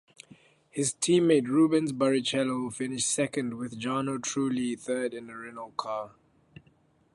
His teammate Rubens Barrichello finished second with Jarno Trulli third in a Renault car.